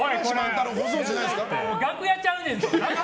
楽屋ちゃうねんぞ！